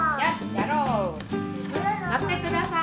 やろう！